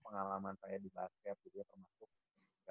pengalaman saya di basket gitu ya termasuk